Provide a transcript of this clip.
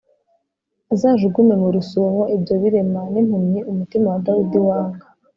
azajugunye mu rusumo ibyo birema n’impumyi umutima wa Dawidi wanga.